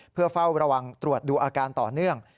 เพื่อเฝ้าระวังตรวจดูอาการต่อเนื่อง